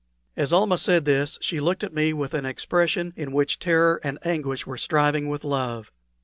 As Almah said this she looked at me with an expression in which terror and anguish were striving with love.